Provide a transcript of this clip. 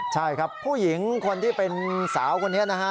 ใช่ครับผู้หญิงคนที่เป็นสาวคนนี้นะฮะ